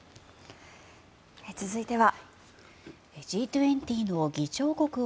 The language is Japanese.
続いては。